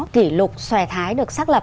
kỷ lục xòe thái được xác lập